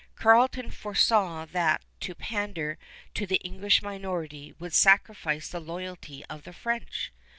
Carleton foresaw that to pander to the English minority would sacrifice the loyalty of the French.